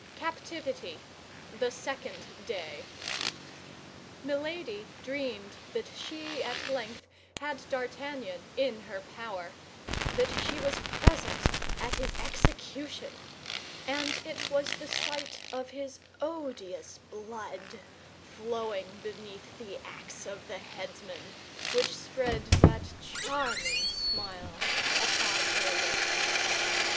CAPTIVITY: THE SECOND DAY Milady dreamed that she at length had D'Artagnan in her power, that she was present at his execution; and it was the sight of his odious blood, flowing beneath the ax of the headsman, which spread that charming smile upon her lips.